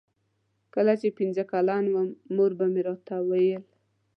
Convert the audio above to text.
کله چې پنځه کلن وم مور به مې راته ویل.